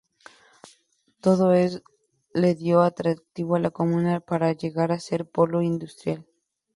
Todo esto le dio atractivo a la comuna para llegar a ser polo industrial.